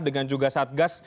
dengan juga satgas